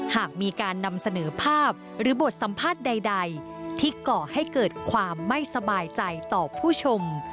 หากมีการนำเสนอภาพหรือบทสัมภาษณ์ใดที่ก่อให้เกิดความไม่สบายใจต่อผู้ชม